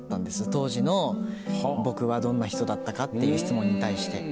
当時の僕はどんな人だったかっていう質問に対して。